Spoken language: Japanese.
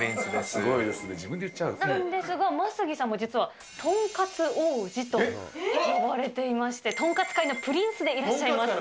すごいですね、自分で言っちなんですが、眞杉さんも、実はとんかつ王子と呼ばれていまして、とんかつ界のプリンスでいらっしゃいます。